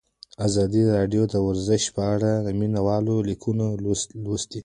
ازادي راډیو د ورزش په اړه د مینه والو لیکونه لوستي.